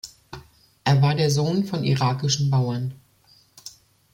Er war der Sohn von irakischen Bauern.